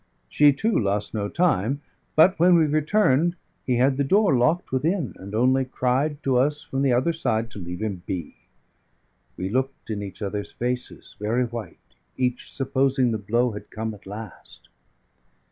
She, too, lost no time; but when we returned, he had the door locked within, and only cried to us from the other side to leave him be. We looked in each other's faces, very white each supposing the blow had come at last.